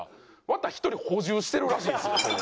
また１人補充してるらしいんですよ。